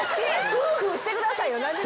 フーフーしてくださいよ。